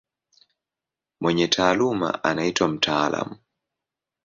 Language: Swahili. Mwenye taaluma anaitwa mtaalamu.